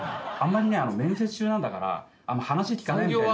あんまりね面接中なんだから話聞かない。